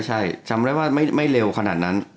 ใช่จำได้ว่าไม่เร็วขนาดนั้น